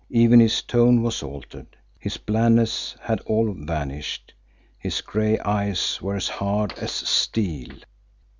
Even his tone was altered. His blandness had all vanished, his grey eyes were as hard as steel.